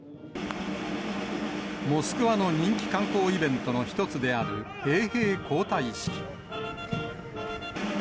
モスクワの人気観光イベントの１つである衛兵交代式。